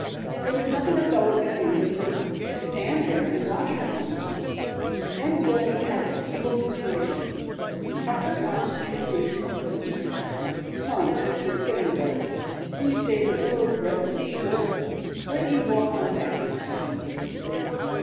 There was nothing a fellow could do but just to stand there and watch her for a moment and then Billy had a feeble inspiration. He tucked her arm through his comfortingly. "Come, it is getting dark, these days are so dreadfully short. Let me walk on back to the cabin with you."